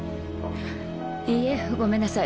いいえごめんなさい。